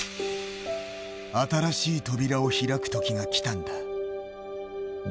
新しい扉を開く時が来たんだ。